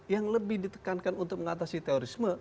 yang lebih ditekankan untuk mengatasi terorisme